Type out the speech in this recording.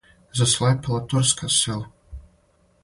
Заслепила турска сила